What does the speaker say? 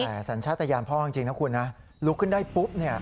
แต่สัญชาติยานพ่อจริงนะคุณนะลุกขึ้นได้ปุ๊บเนี่ย